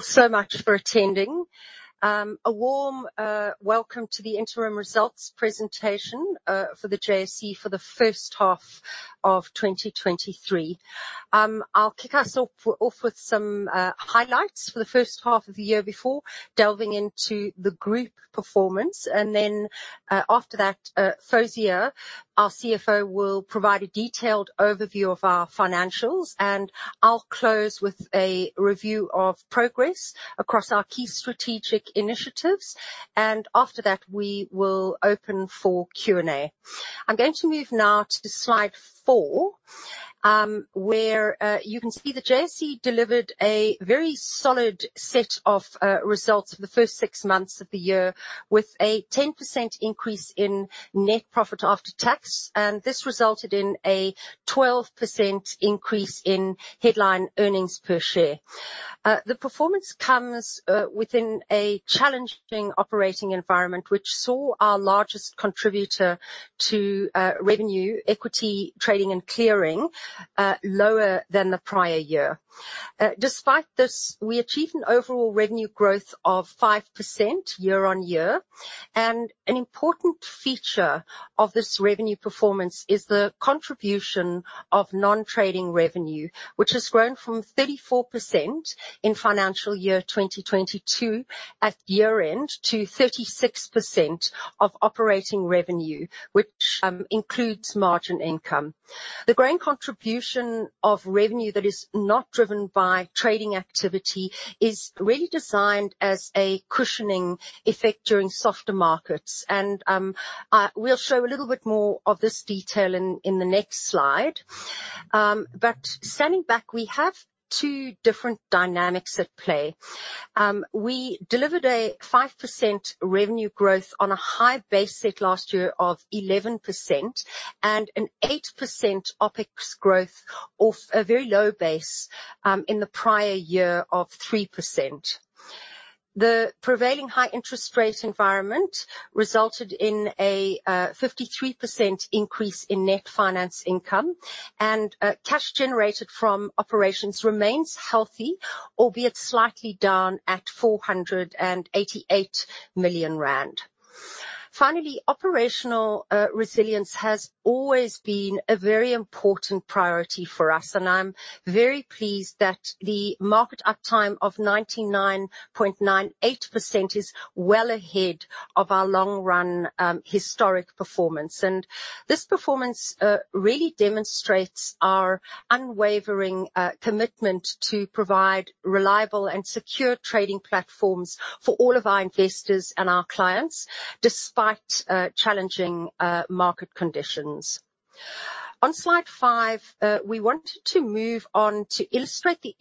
So much for attending. A warm welcome to the interim results presentation for the JSE for the first half of 2023. I'll kick us off with some highlights for the first half of the year before delving into the group performance. Then, after that, Fawzia, our CFO, will provide a detailed overview of our financials, and I'll close with a review of progress across our key strategic initiatives, and after that, we will open for Q&A. I'm going to move now to slide four, where you can see the JSE delivered a very solid set of results for the first six months of the year, with a 10% increase in net profit after tax, and this resulted in a 12% increase in headline earnings per share. The performance comes within a challenging operating environment, which saw our largest contributor to revenue, equity, trading, and clearing, lower than the prior year. Despite this, we achieved an overall revenue growth of 5% year-on-year, and an important feature of this revenue performance is the contribution of non-trading revenue, which has grown from 34% in financial year 2022 at year-end, to 36% of operating revenue, which includes margin income. The growing contribution of revenue that is not driven by trading activity is really designed as a cushioning effect during softer markets, and I will show a little bit more of this detail in the next slide. Standing back, we have two different dynamics at play. We delivered a 5% revenue growth on a high base set last year of 11% and an 8% OpEx growth off a very low base in the prior year of 3%. The prevailing high interest rate environment resulted in a 53% increase in net finance income. Cash generated from operations remains healthy, albeit slightly down at 488 million rand. Finally, operational resilience has always been a very important priority for us. I'm very pleased that the market uptime of 99.98% is well ahead of our long run historic performance. This performance really demonstrates our unwavering commitment to provide reliable and secure trading platforms for all of our investors and our clients, despite challenging market conditions. On slide 5, we wanted to move on to illustrate the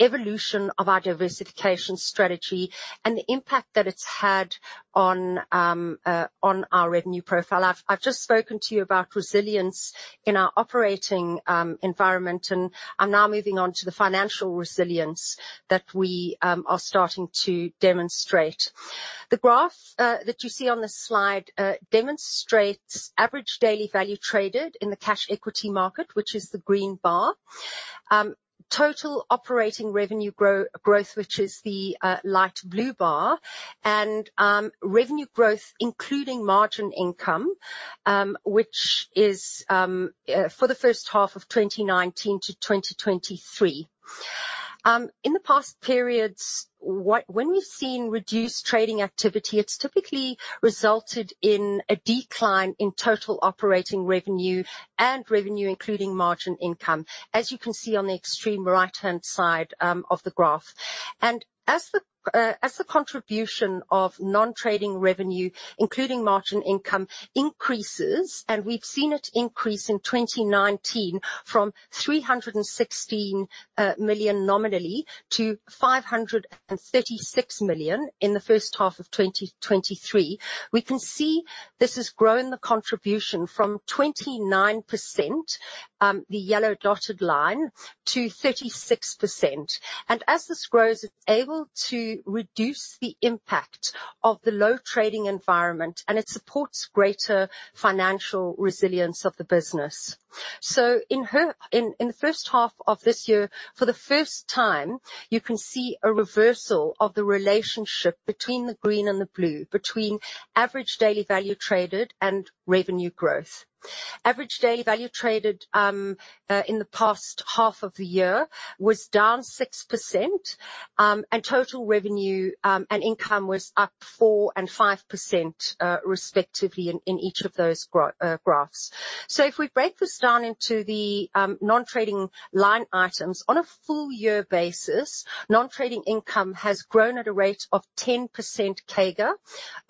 evolution of our diversification strategy and the impact that it's had on our revenue profile. I've just spoken to you about resilience in our operating environment, and I'm now moving on to the financial resilience that we are starting to demonstrate. The graph that you see on this slide demonstrates average daily value traded in the cash equity market, which is the green bar. Total operating revenue growth, which is the light blue bar, and revenue growth, including margin income, which is for the first half of 2019 to 2023. In the past periods, what. When we've seen reduced trading activity, it's typically resulted in a decline in total operating revenue and revenue, including margin income, as you can see on the extreme right-hand side, of the graph. As the contribution of non-trading revenue, including margin income, increases, and we've seen it increase in 2019 from 316 million nominally to 536 million in the first half of 2023, we can see this has grown the contribution from 29%, the yellow dotted line, to 36%. As this grows, it's able to reduce the impact of the low trading environment, and it supports greater financial resilience of the business. In the first half of this year, for the first time, you can see a reversal of the relationship between the green and the blue, between average daily value traded and revenue growth. Average daily value traded in the past half of the year was down 6%, and total revenue and income was up 4% and 5%, respectively in each of those graphs. If we break this down into the non-trading line items, on a full year basis, non-trading income has grown at a rate of 10% CAGR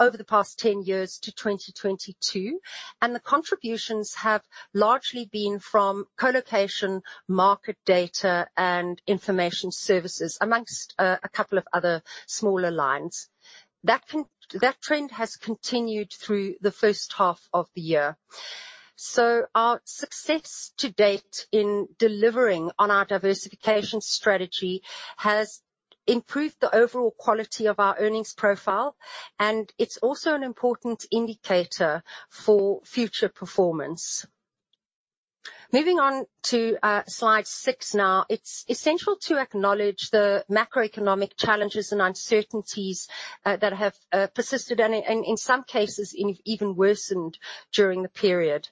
over the past 10 years to 2022, and the contributions have largely been from colocation, market data, and information services, amongst a couple of other smaller lines. That trend has continued through the first half of the year. Our success to date in delivering on our diversification strategy has improved the overall quality of our earnings profile, and it's also an important indicator for future performance. Moving on to slide six now. It's essential to acknowledge the macroeconomic challenges and uncertainties that have persisted and, and in some cases, even worsened during the period.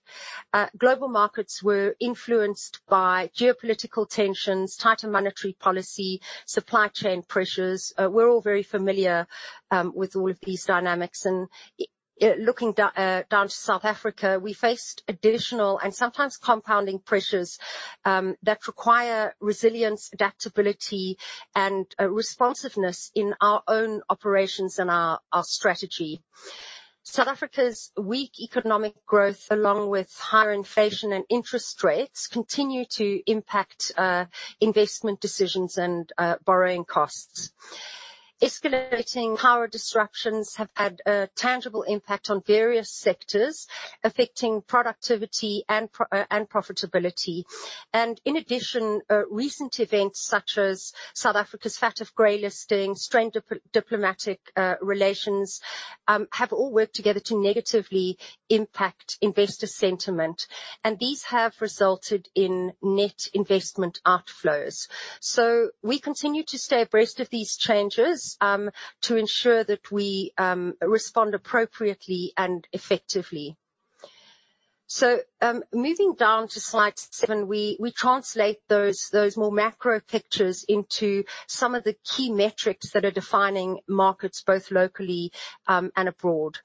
Global markets were influenced by geopolitical tensions, tighter monetary policy, supply chain pressures. We're all very familiar with all of these dynamics, and looking down to South Africa, we faced additional and sometimes compounding pressures that require resilience, adaptability, and responsiveness in our own operations and our, our strategy. South Africa's weak economic growth, along with higher inflation and interest rates, continue to impact investment decisions and borrowing costs. Escalating power disruptions have had a tangible impact on various sectors, affecting productivity and profitability. In addition, recent events, such as South Africa's FATF grey listing, strained diplomatic relations, have all worked together to negatively impact investor sentiment, and these have resulted in net investment outflows. We continue to stay abreast of these changes, to ensure that we respond appropriately and effectively. Moving down to slide seven, we translate those, those more macro pictures into some of the key metrics that are defining markets, both locally and abroad.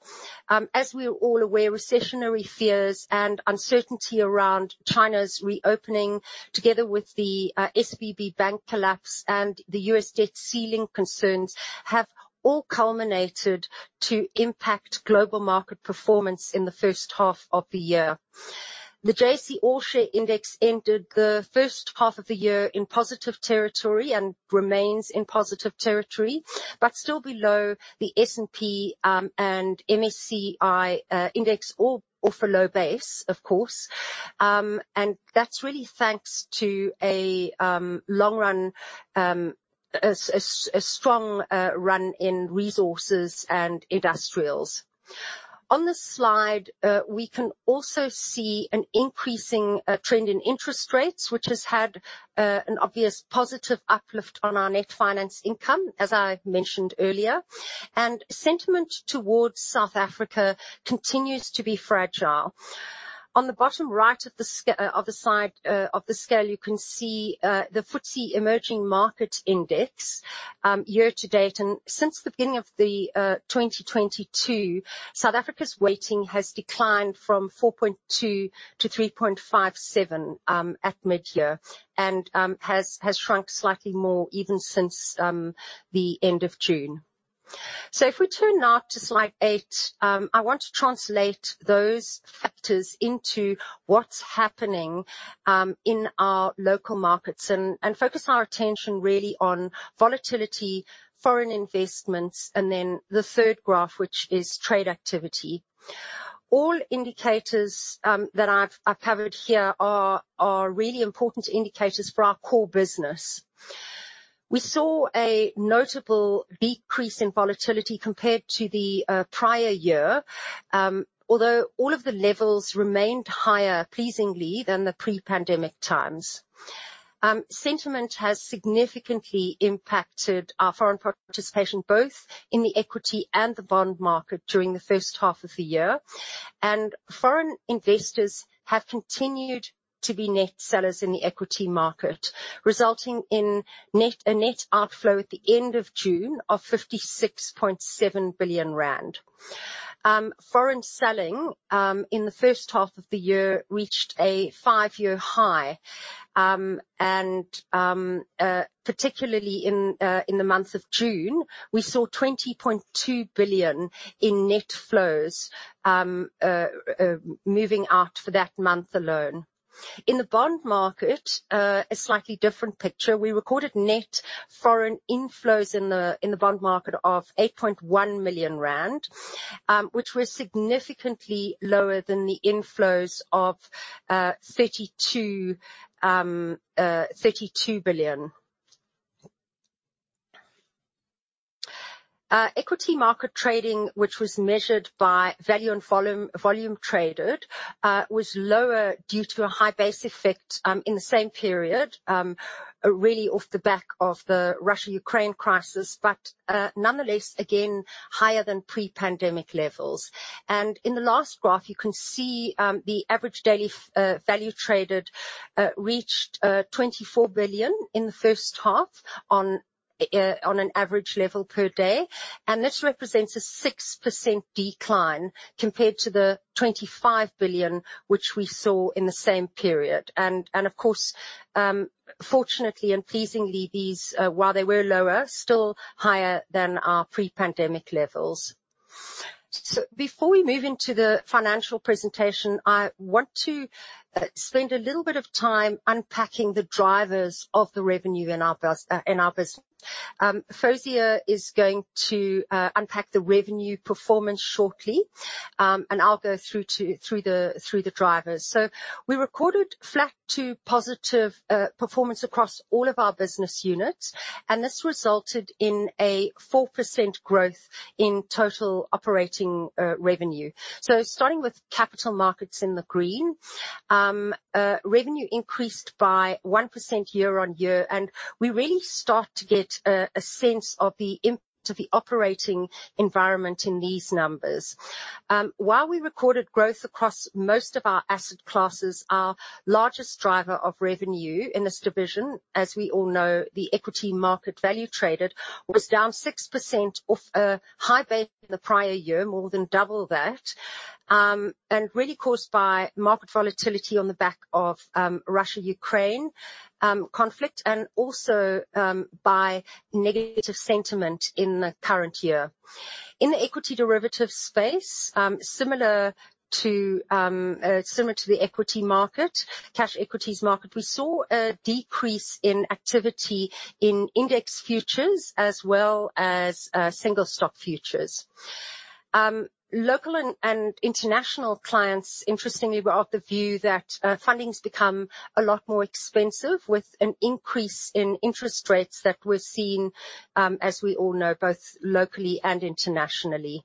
As we're all aware, recessionary fears and uncertainty around China's reopening, together with the SVB bank collapse and the US debt ceiling concerns, have all culminated to impact global market performance in the first half of the year. The JSE All Share Index ended the first half of the year in positive territory and remains in positive territory, still below the S&P and MSCI Index, off a low base, of course. That's really thanks to a long run, a strong run in resources and industrials. On this slide, we can also see an increasing trend in interest rates, which has had an obvious positive uplift on our net finance income, as I mentioned earlier, Sentiment towards South Africa continues to be fragile. On the bottom right of the scale, you can see the FTSE Emerging Market Index year to date, and since the beginning of 2022, South Africa's weighting has declined from 4.2 to 3.57 at mid-year, and has shrunk slightly more even since the end of June. If we turn now to slide 8, I want to translate those factors into what's happening in our local markets and focus our attention really on volatility, foreign investments, and then the third graph, which is trade activity. All indicators that I've covered here are really important indicators for our core business. We saw a notable decrease in volatility compared to the prior year, although all of the levels remained higher, pleasingly, than the pre-pandemic times. Sentiment has significantly impacted our foreign participation, both in the equity and the bond market, during the first half of the year. Foreign investors have continued to be net sellers in the equity market, resulting in a net outflow at the end of June of 56.7 billion rand. Foreign selling in the first half of the year reached a five-year high, and particularly in the month of June, we saw 20.2 billion in net flows moving out for that month alone. In the bond market, a slightly different picture. We recorded net foreign inflows in the bond market of 8.1 million rand, which was significantly lower than the inflows of ZAR 32 billion. Equity market trading, which was measured by value and volume traded, was lower due to a high base effect in the same period, really off the back of the Russia-Ukraine crisis, but nonetheless, again, higher than pre-pandemic levels. In the last graph, you can see the average daily value traded reached 24 billion in the first half on an average level per day. This represents a 6% decline compared to the 25 billion which we saw in the same period. And of course, fortunately and pleasingly, these, while they were lower, still higher than our pre-pandemic levels. Before we move into the financial presentation, I want to spend a little bit of time unpacking the drivers of the revenue in our business. Fawzia is going to unpack the revenue performance shortly, and I'll go through the drivers. We recorded flat to positive performance across all of our business units, and this resulted in a 4% growth in total operating revenue. Starting with capital markets in the green, revenue increased by 1% year-on-year, and we really start to get a sense of the operating environment in these numbers. While we recorded growth across most of our asset classes, our largest driver of revenue in this division, as we all know, the equity market value traded, was down 6% off a high base in the prior year, more than 2x that. Really caused by market volatility on the back of Russia-Ukraine conflict, and also by negative sentiment in the current year. In the equity derivative space, similar to similar to the equity market, cash equities market, we saw a decrease in activity in index futures as well as single stock futures. Local and international clients, interestingly, were of the view that funding's become a lot more expensive, with an increase in interest rates that we're seeing, as we all know, both locally and internationally.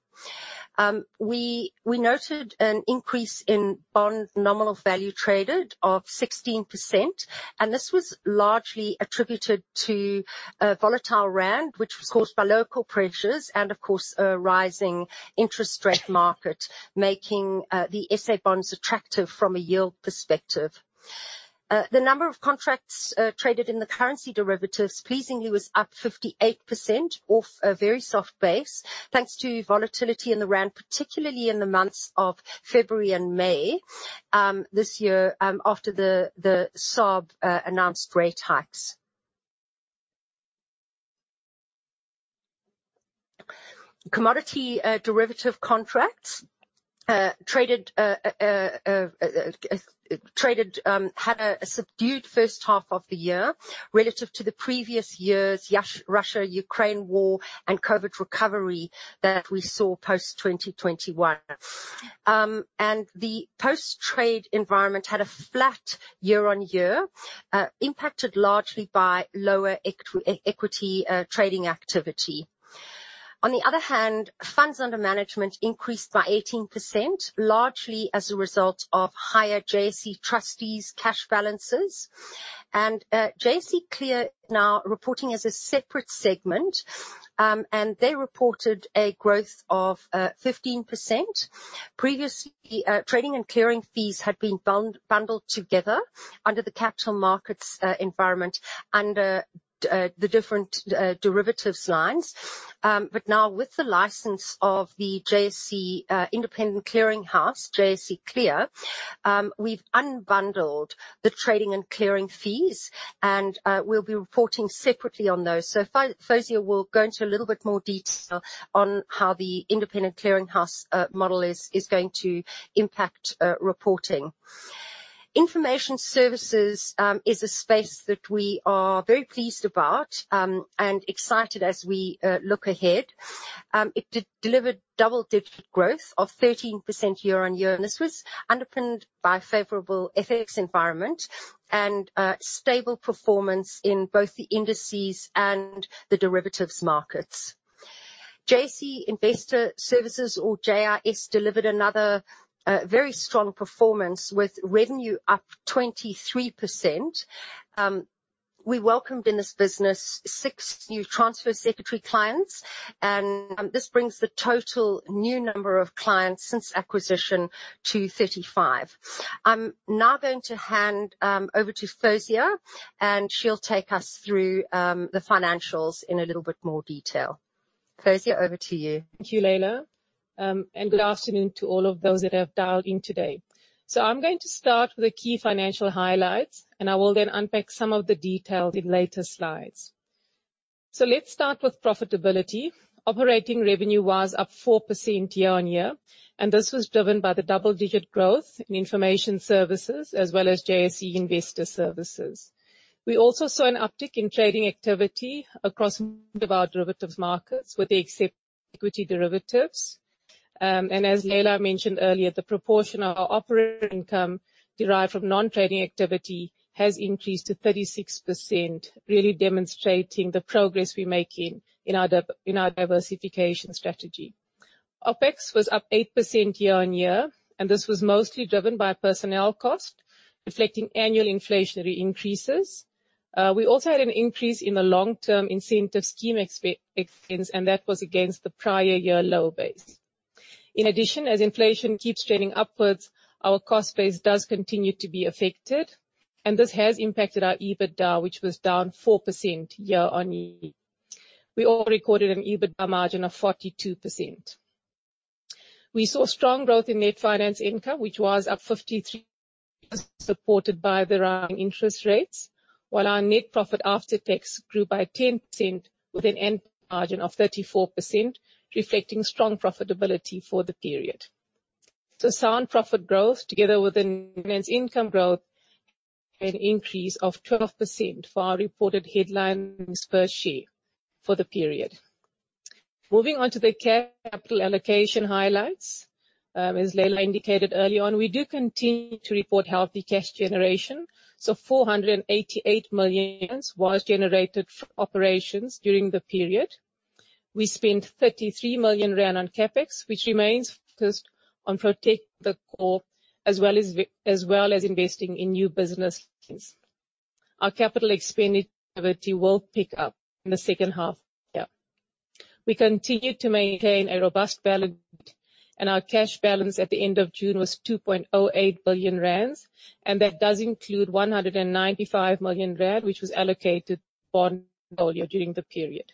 We, we noted an increase in bond nominal value traded of 16%. This was largely attributed to a volatile rand, which was caused by local pressures and, of course, a rising interest rate market, making the SA bonds attractive from a yield perspective. The number of contracts traded in the currency derivatives, pleasingly, was up 58% off a very soft base, thanks to volatility in the rand, particularly in the months of February and May this year, after the SARB announced rate hikes. Commodity derivative contracts traded had a subdued first half of the year relative to the previous year's Russia-Ukraine War and COVID recovery that we saw post-2021. The post-trade environment had a flat year-on-year, impacted largely by lower equity trading activity. On the other hand, funds under management increased by 18%, largely as a result of higher JSE trustees' cash balances. JSE Clear now reporting as a separate segment, and they reported a growth of 15%. Previously, trading and clearing fees had been bundled together under the capital markets environment, under the different derivatives lines. Now with the license of the JSE independent clearing house, JSE Clear, we've unbundled the trading and clearing fees, and we'll be reporting separately on those. Fawzia will go into a little bit more detail on how the independent clearing house model is going to impact reporting. Information services is a space that we are very pleased about and excited as we look ahead. It delivered double-digit growth of 13% year-on-year, and this was underpinned by a favorable FX environment and stable performance in both the indices and the derivatives markets. JSE Investor Services, or JIS, delivered another very strong performance with revenue up 23%. We welcomed in this business 6 new transfer secretary clients, and this brings the total new number of clients since acquisition to 35. I'm now going to hand over to Fawzia, and she'll take us through the financials in a little bit more detail. Fawzia, over to you. Thank you, Leila. Good afternoon to all of those that have dialed in today. I'm going to start with the key financial highlights, and I will then unpack some of the details in later slides. Let's start with profitability. Operating revenue was up 4% year on year, and this was driven by the double-digit growth in information services as well as JSE Investor Services. We also saw an uptick in trading activity across most of our derivatives markets, with the exception of equity derivatives. As Leila mentioned earlier, the proportion of our operating income derived from non-trading activity has increased to 36%, really demonstrating the progress we're making in our diversification strategy. OpEx was up 8% year on year, and this was mostly driven by personnel costs, reflecting annual inflationary increases. We also had an increase in the long-term incentive scheme expense. That was against the prior year lower base. In addition, as inflation keeps trending upwards, our cost base does continue to be affected. This has impacted our EBITDA, which was down 4% year-on-year. We all recorded an EBITDA margin of 42%. We saw strong growth in net finance income, which was up fifty-three-... Supported by the rising interest rates, while our net profit after tax grew by 10% with an end margin of 34%, reflecting strong profitability for the period. Sound profit growth, together with the immense income growth, an increase of 12% for our reported headline earnings per share for the period. Moving on to the capital allocation highlights. As Leila indicated early on, we do continue to report healthy cash generation, 488 million was generated from operations during the period. We spent 33 million rand on CapEx, which remains focused on protecting the core as well as investing in new business. Our capital expenditure will pick up in the second half year. We continue to maintain a robust balance, and our cash balance at the end of June was 2.08 billion rand, and that does include 195 million rand, which was allocated bond earlier during the period.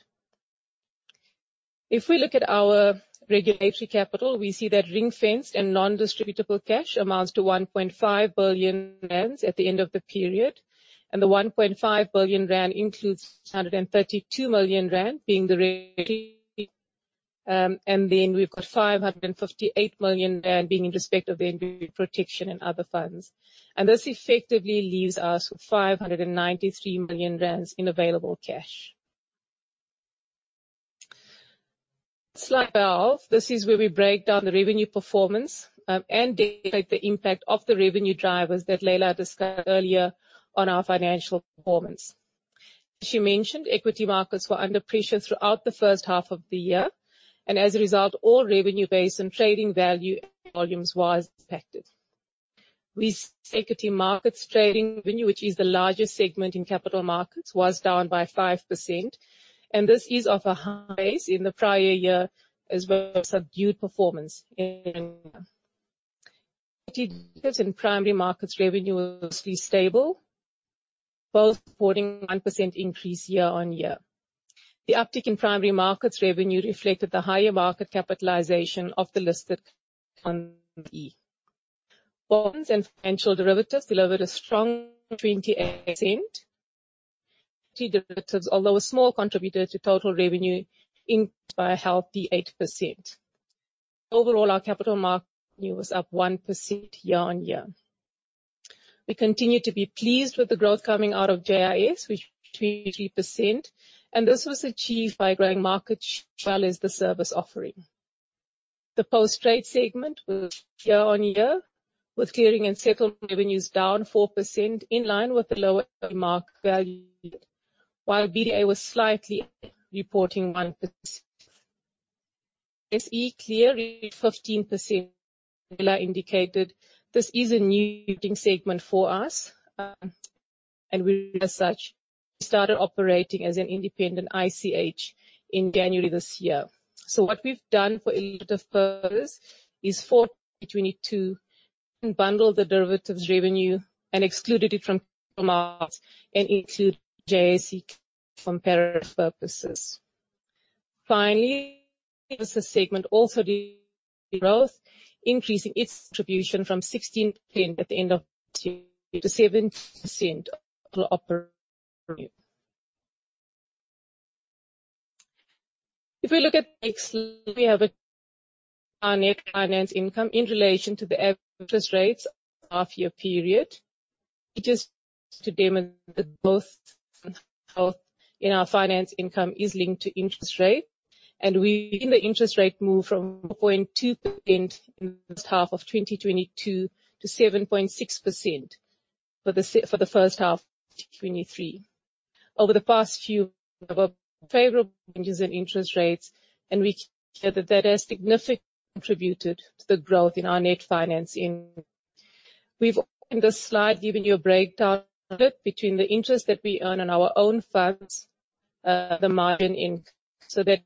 If we look at our regulatory capital, we see that ring-fenced and non-distributable cash amounts to 1.5 billion rand at the end of the period. The 1.5 billion rand includes 132 million rand being the, and then we've got 558 million rand being in respect of the protection and other funds. This effectively leaves us with 593 million rand in available cash. Slide 12. This is where we break down the revenue performance, and dedicate the impact of the revenue drivers that Leila discussed earlier on our financial performance. She mentioned equity markets were under pressure throughout the first half of the year, and as a result, all revenue based on trading value, volumes was impacted. Security markets trading revenue, which is the largest segment in capital markets, was down by 5%. This is of a high base in the prior year, as well as subdued performance in. In primary markets, revenue was stable, both reporting a 1% increase year-on-year. The uptick in primary markets revenue reflected the higher market capitalization of the listed on the JSE. Bonds and financial derivatives delivered a strong 28%. Derivatives, although a small contributor to total revenue, increased by a healthy 8%. Overall, our capital market was up 1% year-on-year. We continue to be pleased with the growth coming out of JIS, which 20%, and this was achieved by growing market share as well as the service offering. The post-trade segment was year-on-year, with clearing and settlement revenues down 4% in line with the lower mark value, while BDA was slightly reporting 1%. JSE Clear read 15%. Leila indicated this is a new segment for us, and we as such, started operating as an independent ICH in January this year. What we've done for illustrative purpose is for 2022, bundle the derivatives revenue and excluded it from us and include JSE Clear for comparative purposes. Finally, the segment also the growth, increasing its distribution from 16% at the end of to 17% of total operating. If we look at next, we have a net finance income in relation to the average interest rates half year period, which is to demonstrate the growth in our finance income is linked to interest rate. We, in the interest rate, move from 0.2% in the first half of 2022 to 7.6% for the first half of 2023. Over the past few, favorable changes in interest rates, we see that that has significantly contributed to the growth in our net finance in. We've, in this slide, given you a breakdown between the interest that we earn on our own funds, the margin inc, so that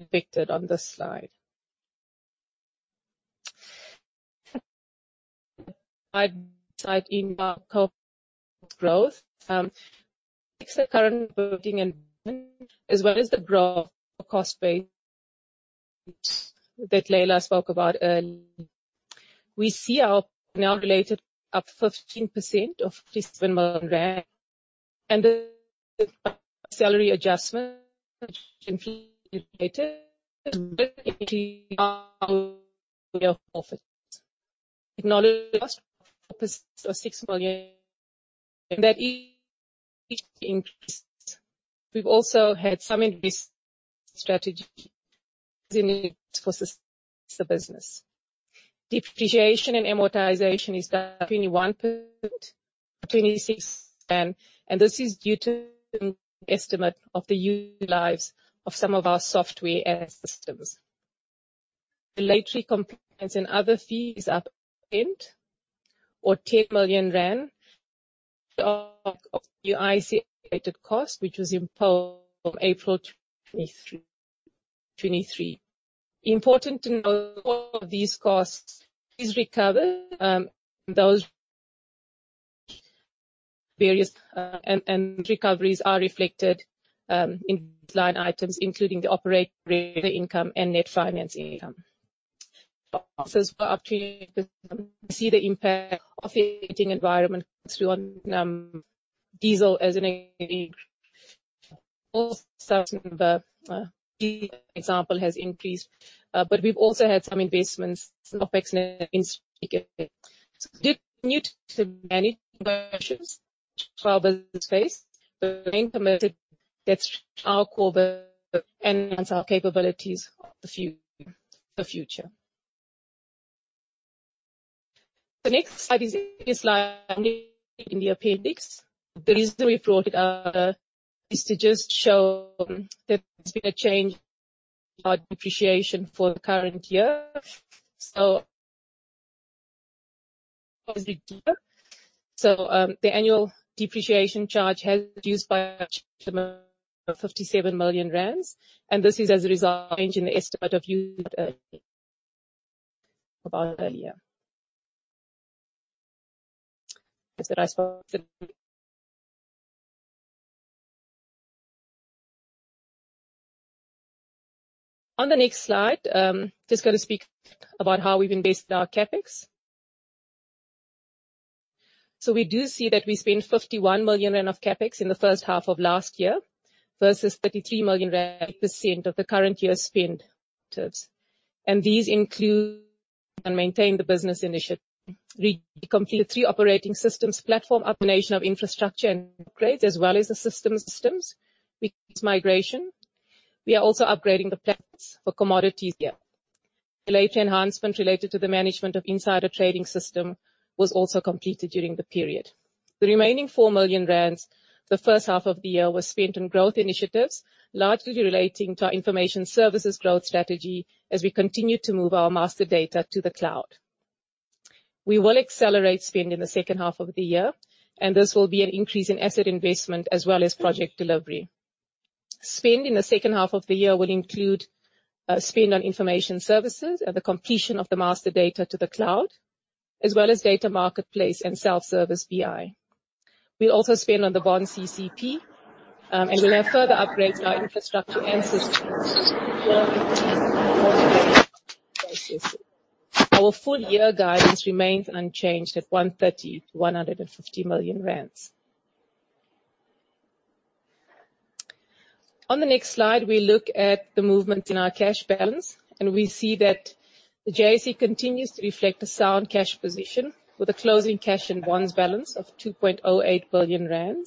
reflected on this slide. I'd like in our growth, the current working environment, as well as the growth cost base that Leila spoke about earlier. We see our now related up 15% of this ZAR. The salary adjustment inflated office. Acknowledge focus of ZAR 6 million. That increased. We've also had some increase strategy for the business. Depreciation and amortization is down 21%, 26%, and this is due to an estimate of the new lives of some of our software and systems. Regulatory compliance and other fees up end or ZAR 10 million of the ICA cost, which was imposed on April 2023. Important to note, all of these costs is recovered, those various, and recoveries are reflected in line items, including the operating income and net finance income. As for opportunity, see the impact of the eating environment on diesel as an example, has increased. We've also had some investments in OpEx and in. Continued many versions 12 space, but implemented, that's our core and our capabilities of the future. The next slide is, is like in the appendix. The reason we brought it is to just show that there's been a change of depreciation for the current year. Obviously, so, the annual depreciation charge has reduced by 57 million rand, and this is as a result of change in the estimate of you about earlier. Is that I spoke to. On the next slide, just gonna speak about how we've been based our CapEx. We do see that we spend 51 million rand of CapEx in the first half of last year, versus 33 million rand, % of the current year's spend tips. These include and maintain the business initiative. We complete 3 operating systems: platform, application of infrastructure, and upgrades, as well as the system with migration. We are also upgrading the platforms for commodities here. Regulatory enhancement related to the management of insider trading system was also completed during the period. The remaining 4 million rand, the first half of the year, was spent on growth initiatives, largely relating to our information services growth strategy as we continue to move our master data to the cloud. We will accelerate spend in the second half of the year, this will be an increase in asset investment as well as project delivery. Spend in the second half of the year will include spend on information services and the completion of the master data to the cloud, as well as data marketplace and self-service BI. We'll also spend on the Bond CCP, and we'll have further upgrades to our infrastructure and systems. Our full year guidance remains unchanged at 130 million-150 million rand. On the next slide, we look at the movement in our cash balance, and we see that the JSE continues to reflect a sound cash position with a closing cash and bonds balance of 2.08 billion rand.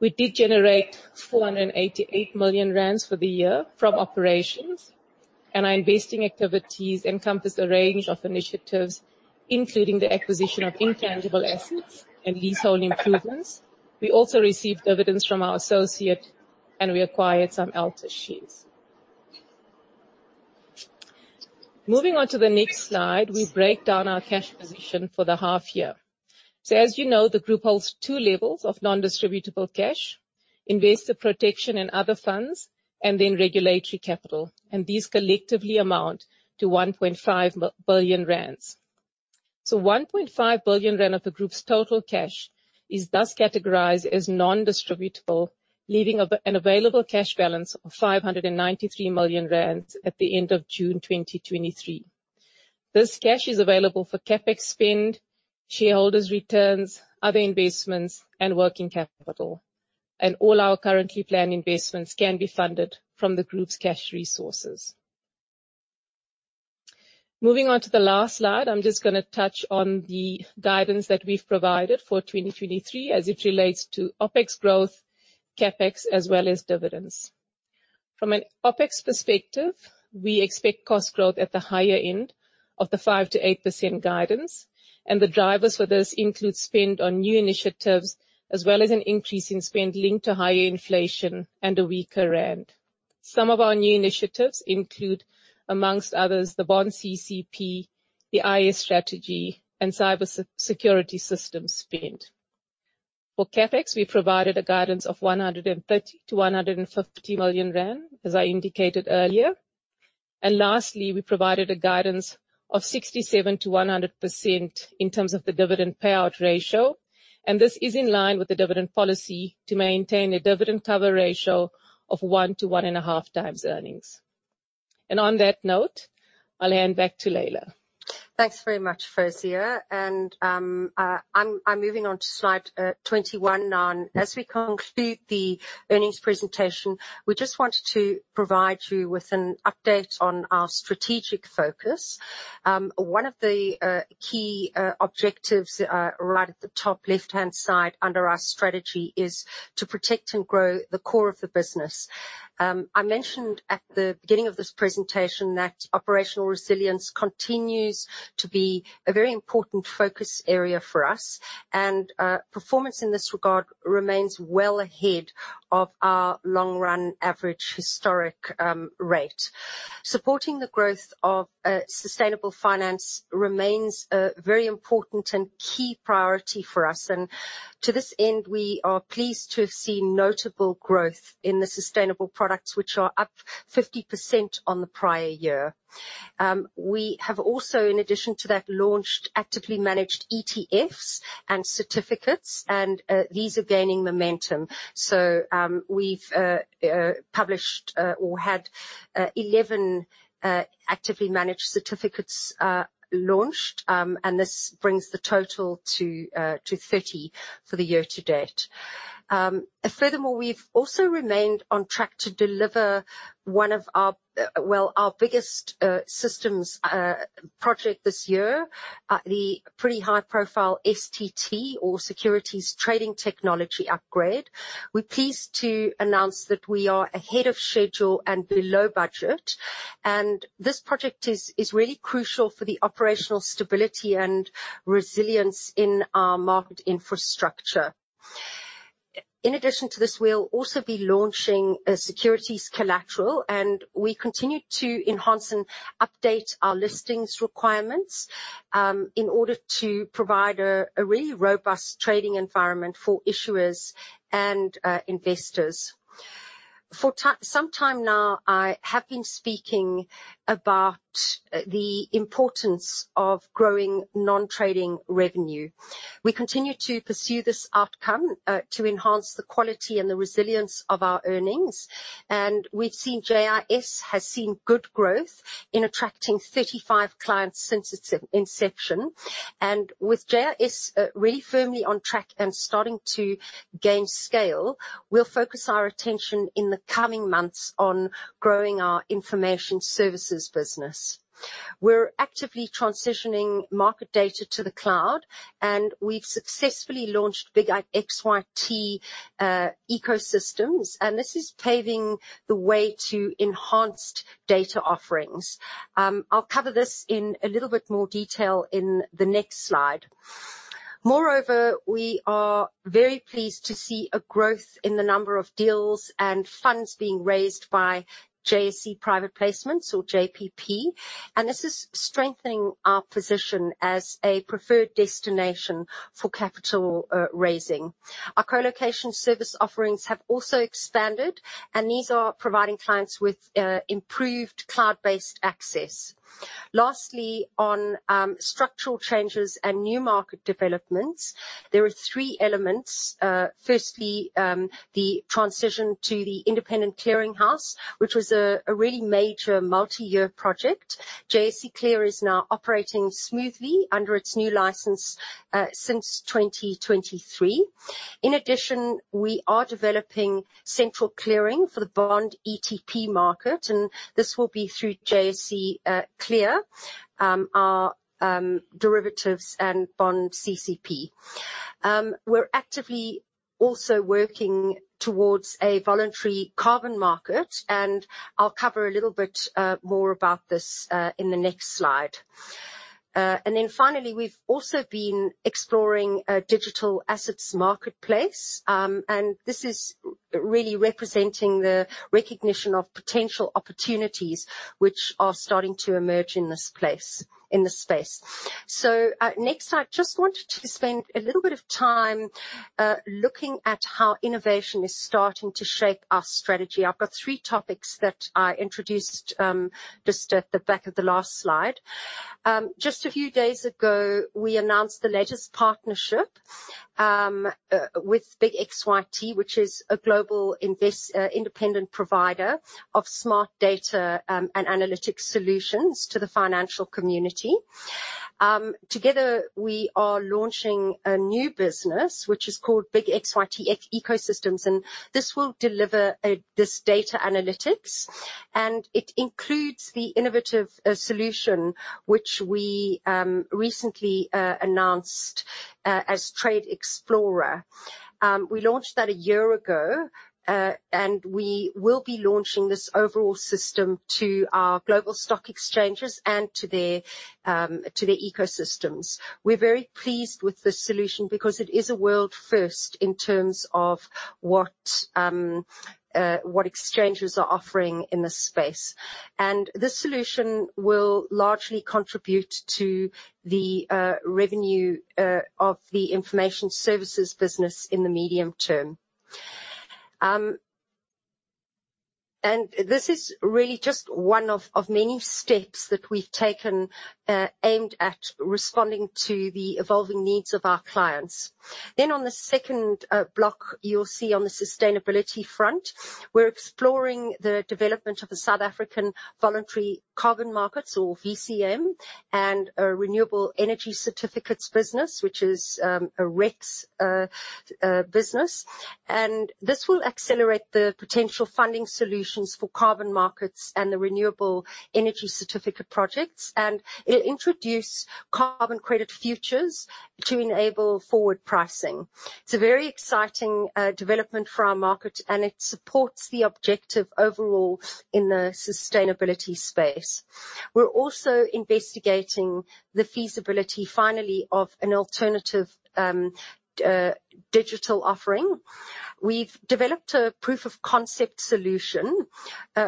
We did generate 488 million rand for the year from operations, and our investing activities encompassed a range of initiatives, including the acquisition of intangible assets and leasehold improvements. We also received dividends from our associates, and we acquired some Altus shares. Moving on to the next slide, we break down our cash position for the half year. As you know, the group holds two levels of non-distributable cash: investor protection and other funds, and then regulatory capital, and these collectively amount to 1.5 billion rand. 1.5 billion rand of the group's total cash is thus categorized as non-distributable, leaving an available cash balance of 593 million rand at the end of June 2023. This cash is available for CapEx spend, shareholders' returns, other investments, and working capital, and all our currently planned investments can be funded from the group's cash resources. Moving on to the last slide, I'm just gonna touch on the guidance that we've provided for 2023 as it relates to OpEx growth, CapEx, as well as dividends. From an OpEx perspective, we expect cost growth at the higher end of the 5%-8% guidance, the drivers for this include spend on new initiatives, as well as an increase in spend linked to higher inflation and a weaker rand. Some of our new initiatives include, amongst others, the Bond CCP, the IA strategy, and cyber security system spend. For CapEx, we provided a guidance of 130 million-150 million rand, as I indicated earlier. Lastly, we provided a guidance of 67%-100% in terms of the dividend payout ratio, and this is in line with the dividend policy to maintain a dividend cover ratio of 1 to 1.5 times earnings. On that note, I'll hand back to Leila. Thanks very much, Fawzia. I'm moving on to slide 21 now. As we conclude the earnings presentation, we just wanted to provide you with an update on our strategic focus. One of the key objectives right at the top left-hand side under our strategy, is to protect and grow the core of the business. I mentioned at the beginning of this presentation that operational resilience continues to be a very important focus area for us, and performance in this regard remains well ahead of our long-run average historic rate. Supporting the growth of sustainable finance remains a very important and key priority for us, and to this end, we are pleased to have seen notable growth in the sustainable products, which are up 50% on the prior year. We have also, in addition to that, launched actively managed ETFs and certificates, and these are gaining momentum. We've published or had 11 actively managed certificates launched, and this brings the total to 30 for the year to date. We've also remained on track to deliver one of our biggest systems project this year, the pretty high-profile STT or Securities Trading Technology upgrade. We're pleased to announce that we are ahead of schedule and below budget. This project is really crucial for the operational stability and resilience in our market infrastructure. In addition to this, we'll also be launching a securities collateral, and we continue to enhance and update our listings requirements in order to provide a really robust trading environment for issuers and investors. For some time now, I have been speaking about the importance of growing non-trading revenue. We continue to pursue this outcome to enhance the quality and the resilience of our earnings, and we've seen JIS has seen good growth in attracting 35 clients since its inception. With JIS really firmly on track and starting to gain scale, we'll focus our attention in the coming months on growing our information services business. We're actively transitioning market data to the cloud, and we've successfully launched big xyt ecosystems, and this is paving the way to enhanced data offerings. I'll cover this in a little bit more detail in the next slide. Moreover, we are very pleased to see a growth in the number of deals and funds being raised by JSE Private Placements or JPP. This is strengthening our position as a preferred destination for capital raising. Our colocation service offerings have also expanded. These are providing clients with improved cloud-based access. Lastly, on structural changes and new market developments, there are three elements. Firstly, the transition to the independent clearing house, which was a really major multi-year project. JSE Clear is now operating smoothly under its new license since 2023. In addition, we are developing central clearing for the bond ETP market. This will be through JSE Clear, our derivatives and bond CCP. t:** We're actively also working towards a voluntary carbon market, and I'll cover a little bit more about this in the next slide. And then finally, we've also been exploring a digital assets marketplace, and this is really representing the recognition of potential opportunities which are starting to emerge in this place, in this space. Next, I just wanted to spend a little bit of time looking at how innovation is starting to shape our strategy. I've got three topics that I introduced just at the back of the last slide. Just a few days ago, we announced the latest partnership with big xyt, which is a global independent provider of smart data and analytic solutions to the financial community Together, we are launching a new business, which is called big xyt ecosystems, and this will deliver this data analytics, and it includes the innovative solution, which we recently announced as Trade Explorer. We launched that a year ago, and we will be launching this overall system to our global stock exchanges and to their ecosystems. We're very pleased with this solution because it is a world first in terms of what exchanges are offering in this space. This solution will largely contribute to the revenue of the information services business in the medium term. This is really just one of many steps that we've taken, aimed at responding to the evolving needs of our clients. On the second block, you'll see on the sustainability front, we're exploring the development of a South African voluntary carbon markets, or VCM, and a renewable energy certificates business, which is a RECs business. This will accelerate the potential funding solutions for carbon markets and the renewable energy certificate projects, and it'll introduce carbon credit futures to enable forward pricing. It's a very exciting development for our market, and it supports the objective overall in the sustainability space. We're also investigating the feasibility, finally, of an alternative digital offering. We've developed a proof of concept solution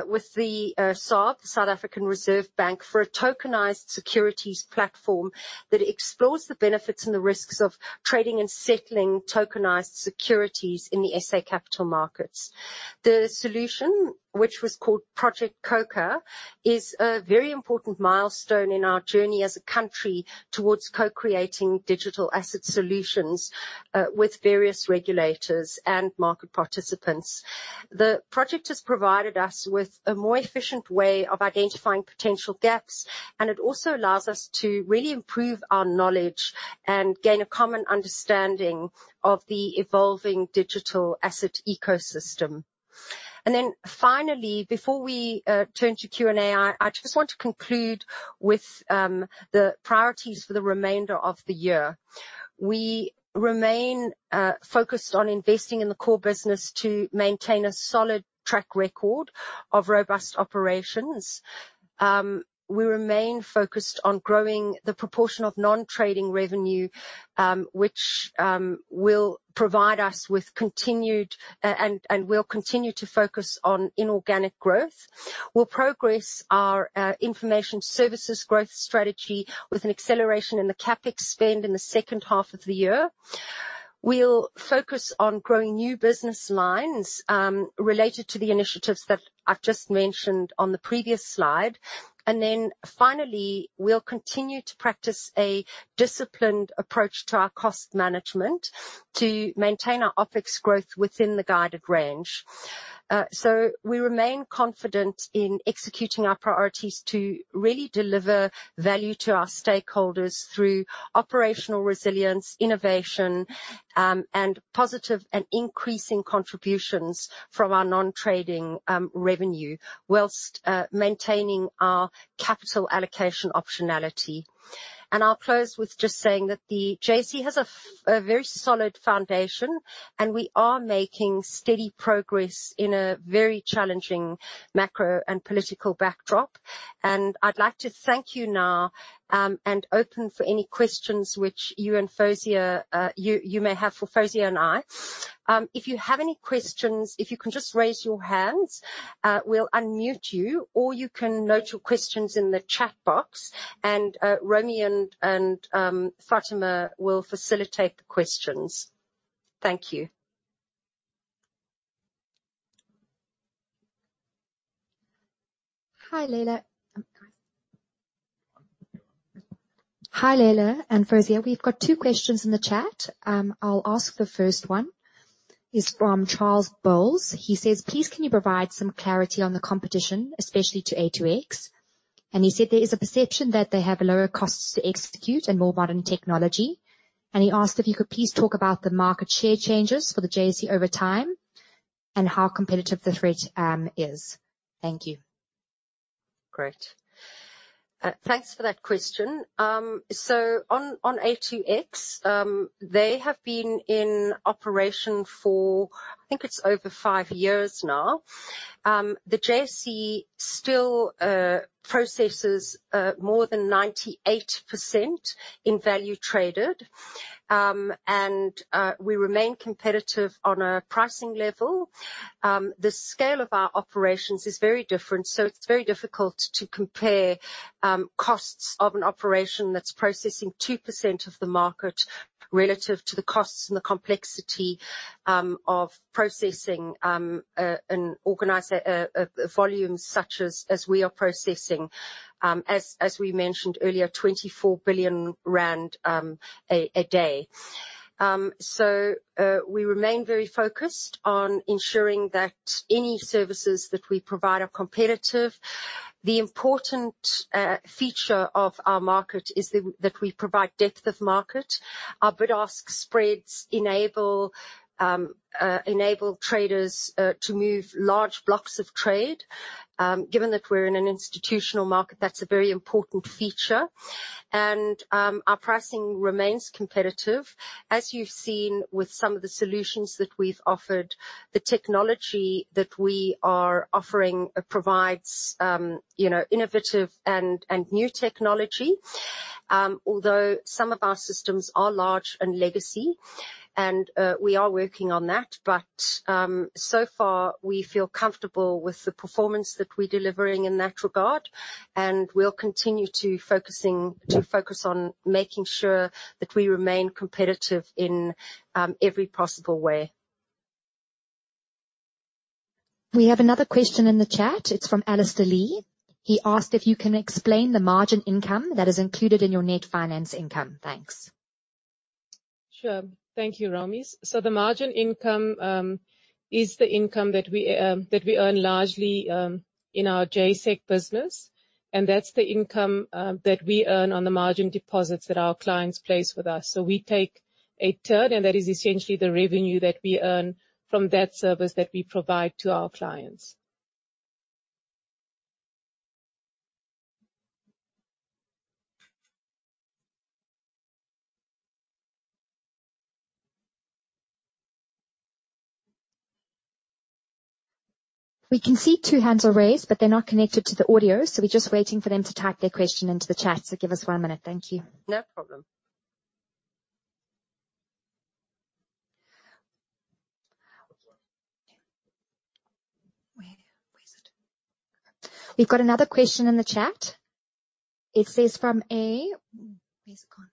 with the SARB, South African Reserve Bank, for a tokenized securities platform that explores the benefits and the risks of trading and settling tokenized securities in the SA capital markets. The solution, which was called Project Khokha, is a very important milestone in our journey as a country towards co-creating digital asset solutions with various regulators and market participants. The project has provided us with a more efficient way of identifying potential gaps, and it also allows us to really improve our knowledge and gain a common understanding of the evolving digital asset ecosystem. Finally, before we turn to Q&A, I, I just want to conclude with the priorities for the remainder of the year. We remain focused on investing in the core business to maintain a solid track record of robust operations. We remain focused on growing the proportion of non-trading revenue, which will provide us with continued, and we'll continue to focus on inorganic growth. We'll progress our information services growth strategy with an acceleration in the CapEx spend in the second half of the year. We'll focus on growing new business lines related to the initiatives that I've just mentioned on the previous slide. Finally, we'll continue to practice a disciplined approach to our cost management to maintain our OpEx growth within the guided range. We remain confident in executing our priorities to really deliver value to our stakeholders through operational resilience, innovation, and positive and increasing contributions from our non-trading revenue, whilst maintaining our capital allocation optionality. I'll close with just saying that the JSE has a very solid foundation, and we are making steady progress in a very challenging macro and political backdrop. I'd like to thank you now, and open for any questions which you and Fawzia, you, you may have for Fawzia and I. If you have any questions, if you can just raise your hands, we'll unmute you, or you can note your questions in the chat box, and Romy and, and Fatima will facilitate the questions. Thank you. Hi, Leila. Hi, Leila and Fawzia. We've got two questions in the chat. I'll ask the first one. It's from Charles Boles. He says: "Please, can you provide some clarity on the competition, especially to A2X?" He said there is a perception that they have lower costs to execute and more modern technology. He asked if you could please talk about the market share changes for the JSE over time and how competitive the threat is. Thank you. Great. Thanks for that question. On, on A2X, they have been in operation for, I think it's over 5 years now. The JSE still processes more than 98% in value traded, and we remain competitive on a pricing level. The scale of our operations is very different, so it's very difficult to compare costs of an operation that's processing 2% of the market relative to the costs and the complexity of processing volumes such as, as we are processing. As, as we mentioned earlier, 24 billion rand a day. We remain very focused on ensuring that any services that we provide are competitive. The important feature of our market is the, that we provide depth of market. Our bid-ask spreads enable enable traders to move large blocks of trade. Given that we're in an institutional market, that's a very important feature, and our pricing remains competitive. As you've seen with some of the solutions that we've offered, the technology that we are offering provides, you know, innovative and new technology, although some of our systems are large and legacy, and we are working on that. So far, we feel comfortable with the performance that we're delivering in that regard, and we'll continue to focus on making sure that we remain competitive in every possible way. We have another question in the chat. It's from Alistair Lee. He asked if you can explain the margin income that is included in your net finance income. Thanks. Sure. Thank you, Romy. The margin income, is the income that we, that we earn largely, in our JSEC business, and that's the income, that we earn on the margin deposits that our clients place with us. We take a third, and that is essentially the revenue that we earn from that service that we provide to our clients. We can see 2 hands are raised. They're not connected to the audio. We're just waiting for them to type their question into the chat. Give us 1 minute. Thank you. No problem. Where is it? We've got another question in the chat. It says, Where has it gone?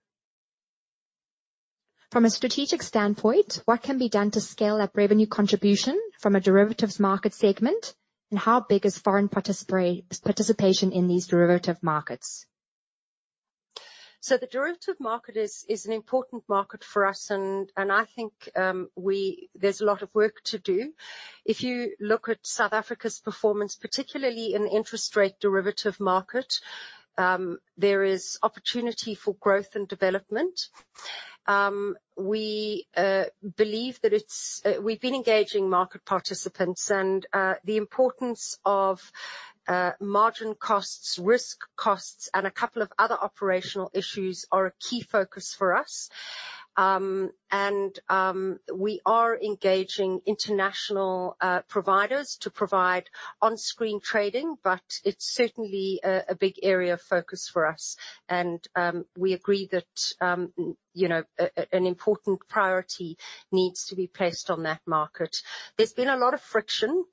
From a strategic standpoint, what can be done to scale up revenue contribution from a derivatives market segment, and how big is foreign participation in these derivative markets? The derivative market is, is an important market for us, and, and I think, there's a lot of work to do. If you look at South Africa's performance, particularly in the interest rate derivative market, there is opportunity for growth and development. We believe that it's... We've been engaging market participants, and the importance of margin costs, risk costs, and a couple of other operational issues are a key focus for us. We are engaging international providers to provide on-screen trading, but it's certainly a, a big area of focus for us. We agree that, you know, an important priority needs to be placed on that market. There's been a lot of friction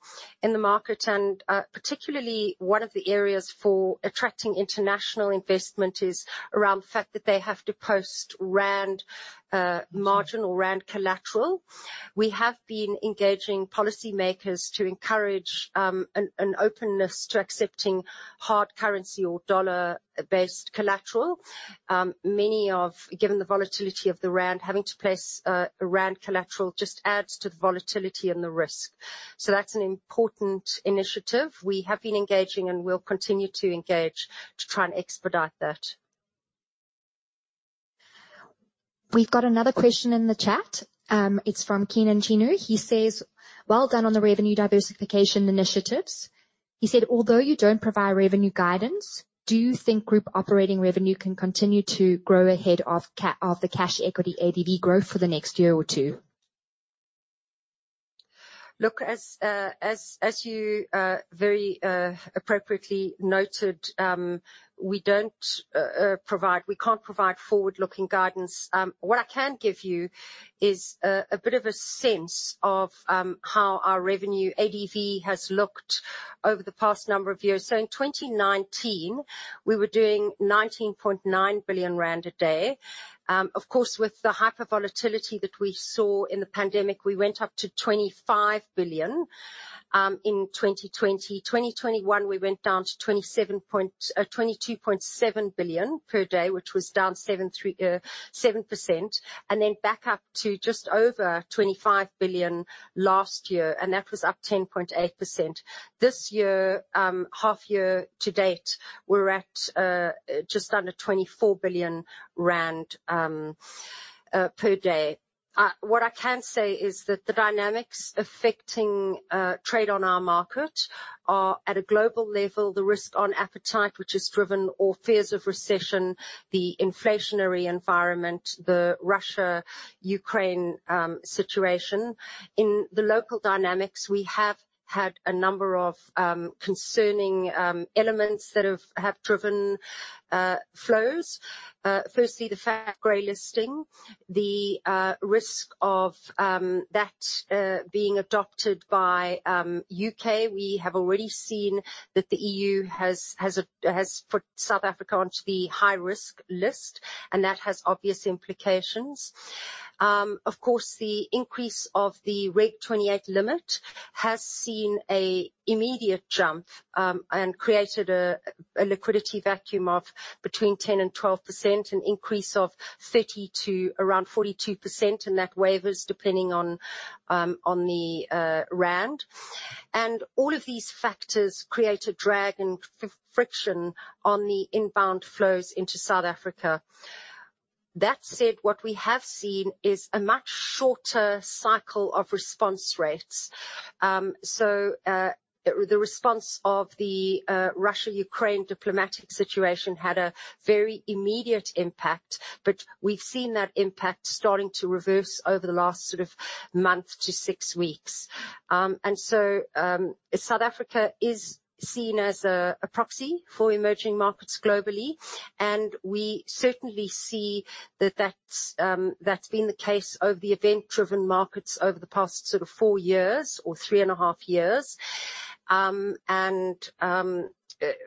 in the market, particularly one of the areas for attracting international investment is around the fact that they have to post Rand margin or Rand collateral. We have been engaging policymakers to encourage an openness to accepting hard currency or dollar-based collateral. Many have, given the volatility of the Rand, having to place a Rand collateral just adds to the volatility and the risk. That's an important initiative. We have been engaging, and we'll continue to engage to try and expedite that. We've got another question in the chat. It's from Keenan Chenery. He says, "Well done on the revenue diversification initiatives." He said, "Although you don't provide revenue guidance, do you think group operating revenue can continue to grow ahead of the cash equity ADV growth for the next year or 2? Look, as, as you very appropriately noted, we don't provide... We can't provide forward-looking guidance. What I can give you is a bit of a sense of how our revenue ADV has looked over the past number of years. In 2019, we were doing 19.9 billion rand a day. Of course, with the hyper volatility that we saw in the pandemic, we went up to 25 billion in 2020. 2021, we went down to 22.7 billion per day, which was down 7%. Then back up to just over 25 billion last year, and that was up 10.8%. This year, half year to date, we're at just under 24 billion rand per day. What I can say is that the dynamics affecting trade on our market are at a global level, the risk on appetite, which is driven, or fears of recession, the inflationary environment, the Russia-Ukraine situation. In the local dynamics, we have had a number of concerning elements that have driven flows. Firstly, the FATF grey listing, the risk of that being adopted by UK. We have already seen that the EU has, has put South Africa onto the high-risk list, and that has obvious implications. Of course, the increase of the Regulation 28 limit has seen an immediate jump and created a liquidity vacuum of between 10% and 12%, an increase of 30% to around 42%, and that wavers depending on the rand. All of these factors create a drag and friction on the inbound flows into South Africa. That said, what we have seen is a much shorter cycle of response rates. The response of the Russia-Ukraine diplomatic situation had a very immediate impact, but we've seen that impact starting to reverse over the last sort of month to six weeks. South Africa is seen as a proxy for emerging markets globally, and we certainly see that that's been the case over the event-driven markets over the past sort of four years or three and a half years.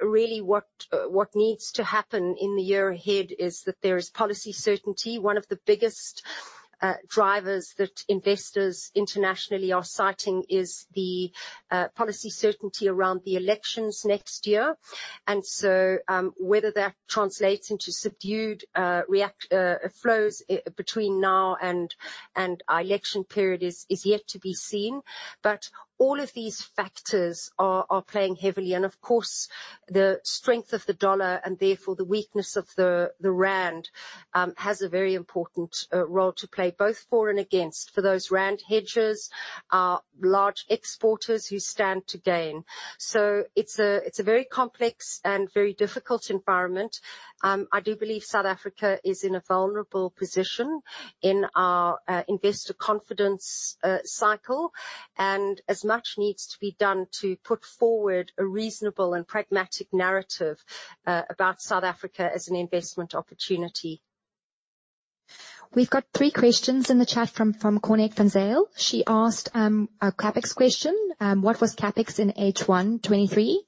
Really, what needs to happen in the year ahead is that there is policy certainty. One of the biggest drivers that investors internationally are citing is the policy certainty around the elections next year. Whether that translates into subdued, react, flows, between now and our election period is yet to be seen. All of these factors are playing heavily. Of course, the strength of the dollar, and therefore the weakness of the rand, has a very important, role to play, both for and against, for those rand hedgers, large exporters who stand to gain. It's a very complex and very difficult environment. I do believe South Africa is in a vulnerable position in our investor confidence cycle, and as much needs to be done to put forward a reasonable and pragmatic narrative, about South Africa as an investment opportunity. We've got three questions in the chat from, from Cornick Van Zyl. She asked, a CapEx question: What was CapEx in H1 2023?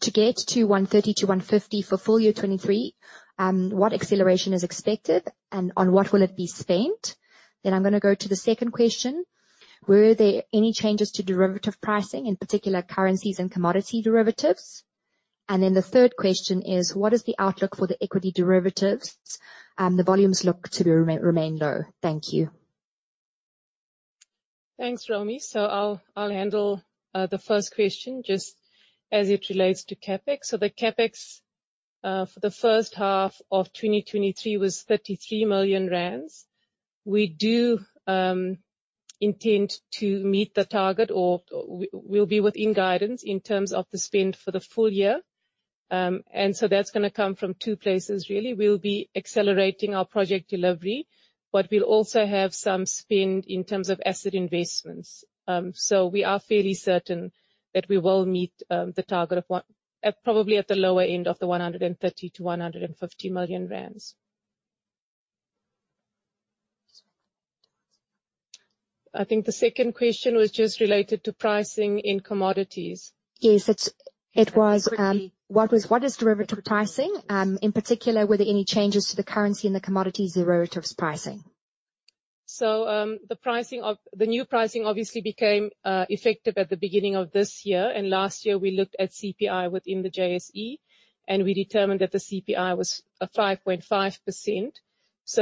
To get to 130-150 for full year 2023, what acceleration is expected, and on what will it be spent? I'm gonna go to the second question. Were there any changes to derivative pricing, in particular, currencies and commodity derivatives? The third question is: What is the outlook for the equity derivatives? The volumes look to remain low. Thank you. Thanks, Romy. I'll, I'll handle the first question, just as it relates to CapEx. The CapEx for the first half of 2023 was 33 million rand. We do intend to meet the target, or we'll be within guidance in terms of the spend for the full year. That's gonna come from two places, really. We'll be accelerating our project delivery, but we'll also have some spend in terms of asset investments. We are fairly certain that we will meet the target at, probably at the lower end of the 130 million-150 million rand. I think the second question was just related to pricing in commodities. Yes, it's, it was. Let me quickly- What was, what is derivative pricing? In particular, were there any changes to the currency and the commodities derivatives pricing? The pricing of... The new pricing obviously became effective at the beginning of this year, and last year we looked at CPI within the JSE, and we determined that the CPI was 5.5%.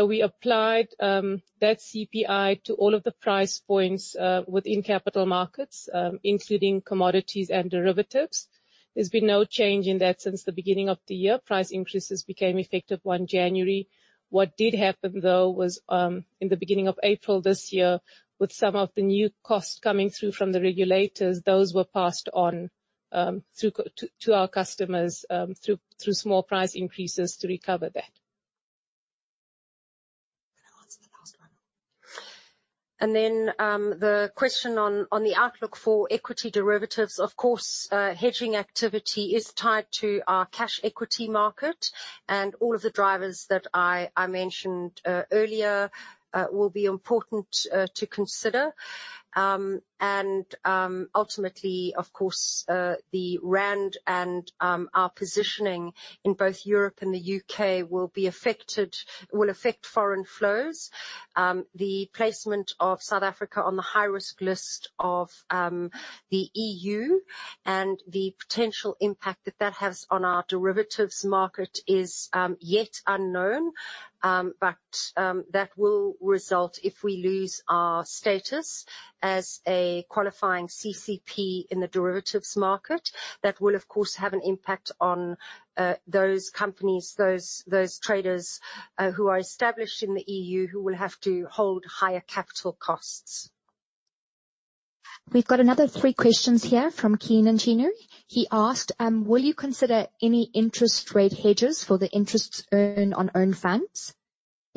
We applied that CPI to all of the price points within capital markets, including commodities and derivatives. There's been no change in that since the beginning of the year. Price increases became effective on January. What did happen, though, was in the beginning of April this year, with some of the new costs coming through from the regulators, those were passed on through, to, to our customers, through, through small price increases to recover that. Can I answer the last one? Then, the question on, on the outlook for equity derivatives. Of course, hedging activity is tied to our cash equity market, and all of the drivers that I mentioned earlier will be important to consider. Ultimately, of course, the rand and our positioning in both Europe and the UK will be affected - will affect foreign flows. The placement of South Africa on the high-risk list of the EU, and the potential impact that that has on our derivatives market is yet unknown. That will result if we lose our status as a qualifying CCP in the derivatives market. That will, of course, have an impact on those companies, those, those traders, who are established in the EU, who will have to hold higher capital costs. We've got another three questions here from Keenan Chenery. He asked: Will you consider any interest rate hedges for the interests earned on own funds?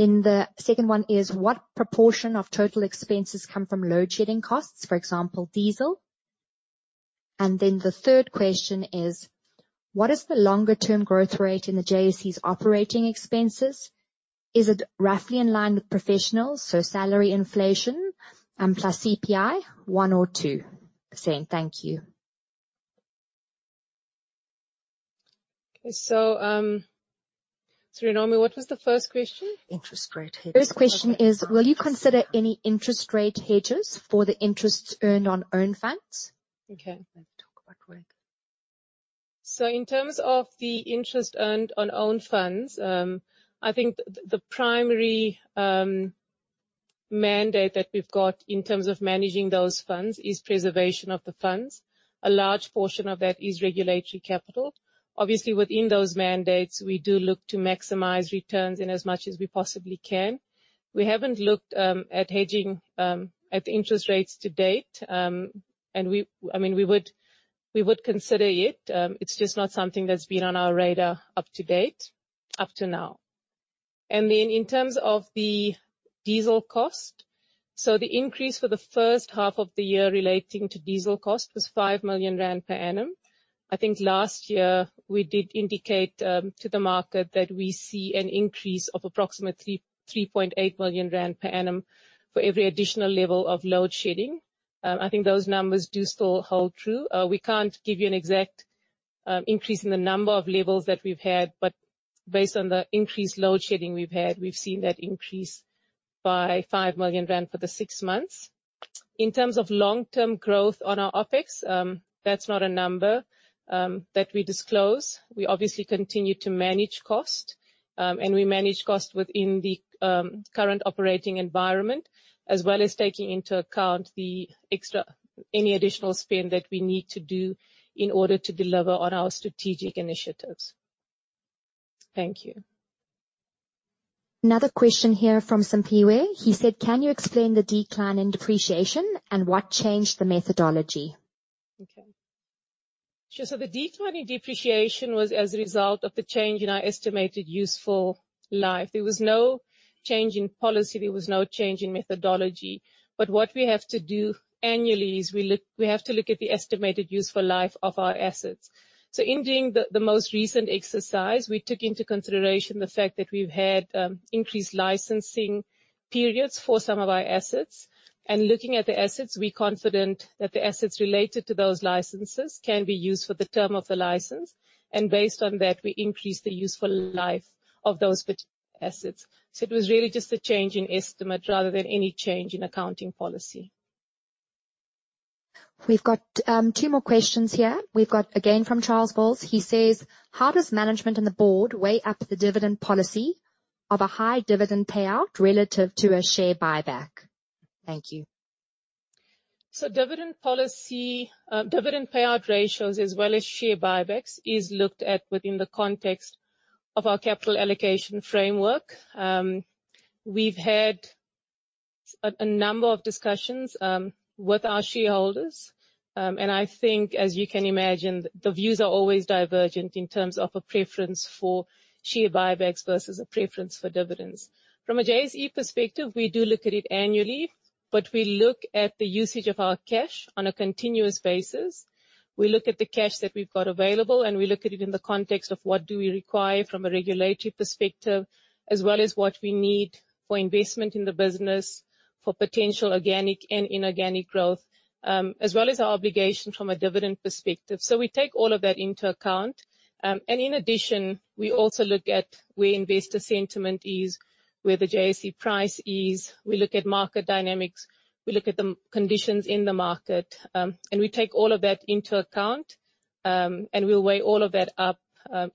The second one is: What proportion of total expenses come from load shedding costs, for example, diesel? The third question is: What is the longer-term growth rate in the JSE's operating expenses? Is it roughly in line with professionals, so salary inflation, plus CPI, 1 or 2? Saying thank you. Okay, sorry, Romy, what was the first question? Interest rate hedges. First question is: Will you consider any interest rate hedges for the interests earned on own funds? Okay. Let me talk about quick. In terms of the interest earned on own funds, I think the, the primary mandate that we've got in terms of managing those funds is preservation of the funds. A large portion of that is regulatory capital. Obviously, within those mandates, we do look to maximize returns in as much as we possibly can. We haven't looked at hedging at interest rates to date, and we-- I mean, we would, we would consider it. It's just not something that's been on our radar up to date, up to now. In terms of the diesel cost, the increase for the first half of the year relating to diesel cost was 5 million rand per annum. I think last year we did indicate to the market that we see an increase of approximately 3.8 million rand per annum for every additional level of load shedding. I think those numbers do still hold true. We can't give you an exact increase in the number of levels that we've had, but based on the increased load shedding we've had, we've seen that increase by 5 million rand for the 6 months. In terms of long-term growth on our OpEx, that's not a number that we disclose. We obviously continue to manage cost, and we manage cost within the current operating environment, as well as taking into account any additional spend that we need to do in order to deliver on our strategic initiatives. Thank you. Another question here from Sam Piwe. He said: Can you explain the decline in depreciation, and what changed the methodology? Okay. Sure. The decline in depreciation was as a result of the change in our estimated useful life. There was no change in policy, there was no change in methodology. What we have to do annually is we look, we have to look at the estimated useful life of our assets. In doing the, the most recent exercise, we took into consideration the fact that we've had increased licensing periods for some of our assets, and looking at the assets, we're confident that the assets related to those licenses can be used for the term of the license, and based on that, we increased the useful life of those particular assets. It was really just a change in estimate rather than any change in accounting policy.... We've got 2 more questions here. We've got, again, from Charles Bowles. He says: How does management and the board weigh up the dividend policy of a high dividend payout relative to a share buyback? Thank you. Dividend policy, dividend payout ratios, as well as share buybacks, is looked at within the context of our capital allocation framework. We've had a number of discussions, with our shareholders, and I think, as you can imagine, the views are always divergent in terms of a preference for share buybacks versus a preference for dividends. From a JSE perspective, we do look at it annually, but we look at the usage of our cash on a continuous basis. We look at the cash that we've got available, and we look at it in the context of what do we require from a regulatory perspective, as well as what we need for investment in the business, for potential organic and inorganic growth, as well as our obligation from a dividend perspective. We take all of that into account. In addition, we also look at where investor sentiment is, where the JSE price is. We look at market dynamics, we look at the conditions in the market, and we take all of that into account, and we'll weigh all of that up,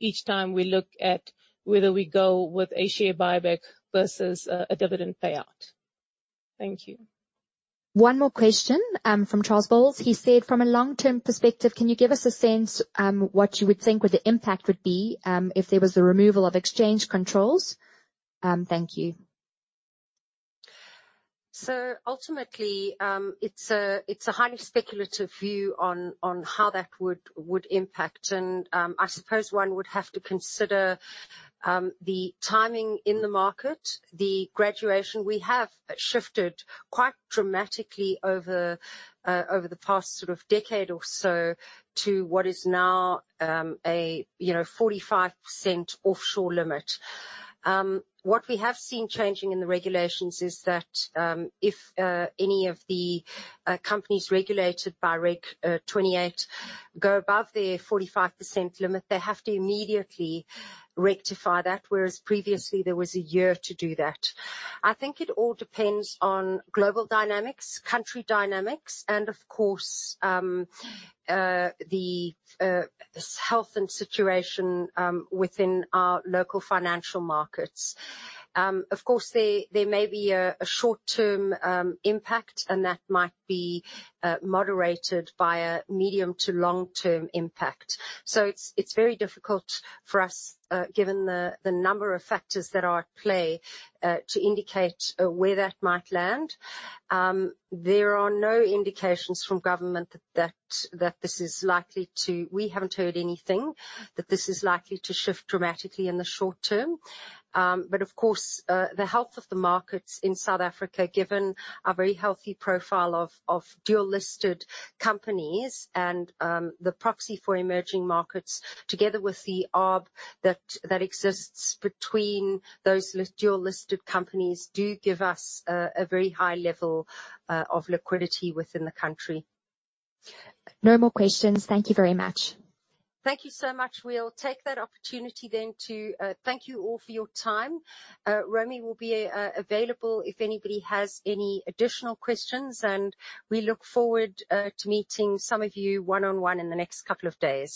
each time we look at whether we go with a share buyback versus a, a dividend payout. Thank you. One more question, from Charles Bowles. He said, "From a long-term perspective, can you give us a sense, what you would think what the impact would be, if there was a removal of exchange controls?" Thank you. Ultimately, it's a highly speculative view on how that would impact. I suppose one would have to consider, the timing in the market, the graduation. We have shifted quite dramatically over the past sort of decade or so, to what is now, you know, 45% offshore limit. What we have seen changing in the regulations is that, if any of the companies regulated by Reg 28 go above their 45% limit, they have to immediately rectify that, whereas previously, there was a year to do that. I think it all depends on global dynamics, country dynamics, and of course, the health and situation, within our local financial markets. Of course, there, there may be a, a short-term impact, and that might be moderated by a medium to long-term impact. It's, it's very difficult for us, given the, the number of factors that are at play, to indicate where that might land. There are no indications from government. We haven't heard anything, that this is likely to shift dramatically in the short term. Of course, the health of the markets in South Africa, given a very healthy profile of, of dual-listed companies and, the proxy for emerging markets, together with the arb that, that exists between those dual-listed companies, do give us a, a very high level of liquidity within the country. No more questions. Thank you very much. Thank you so much. We'll take that opportunity then to thank you all for your time. Romy will be available if anybody has any additional questions, and we look forward to meeting some of you one-on-one in the next couple of days.